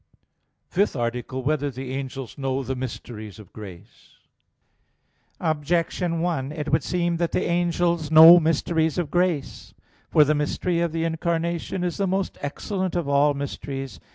_______________________ FIFTH ARTICLE [I, Q. 57, Art. 5] Whether the Angels Know the Mysteries of Grace? Objection 1: It would seem that the angels know mysteries of grace. For, the mystery of the Incarnation is the most excellent of all mysteries.